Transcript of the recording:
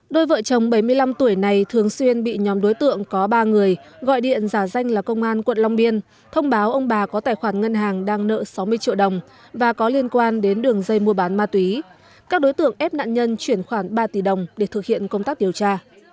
đôi vợ chồng bảy mươi năm tuổi này thường xuyên bị nhóm đối tượng có ba người gọi điện giả danh là công an quận long biên thông báo ông bà có tài khoản ngân hàng đang nợ sáu mươi triệu đồng và có liên quan đến đường dây mua bán ma túy các đối tượng ép nạn nhân chuyển khoản ba tỷ đồng để thực hiện công tác điều tra